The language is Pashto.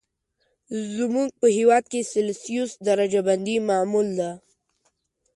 زموږ په هېواد کې سلسیوس درجه بندي معمول ده.